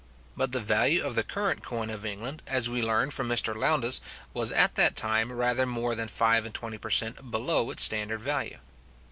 But the value of the current coin of England, as we learn from Mr Lowndes, was at that time rather more than five and twenty per cent. below its standard value.